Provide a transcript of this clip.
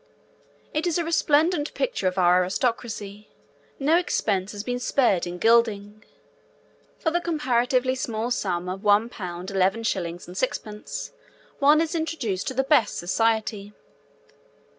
It is a resplendent picture of our aristocracy. No expense has been spared in gilding. For the comparatively small sum of 1 pound, 11s. 6d. one is introduced to the best society.